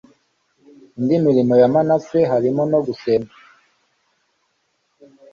indi mirimo ya manase harimo no gusenga